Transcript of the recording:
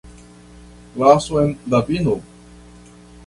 Glason da vino.